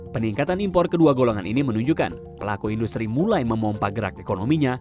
peningkatan impor kedua golongan ini menunjukkan pelaku industri mulai memompa gerak ekonominya